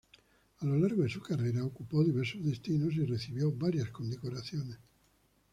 A lo largo de su carrera ocupó diversos destinos y recibió varias condecoraciones.